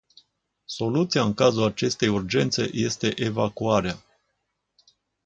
Soluția în cazul acestei urgențe este evacuarea.